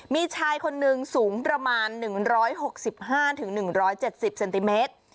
มีชายคนนึงสูงประมาณ๑๖๕๑๗๐เซนติเมตร